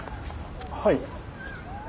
はい？